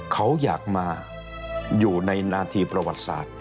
เขาอยากมาอยู่ในนาทีประวัติศาสตร์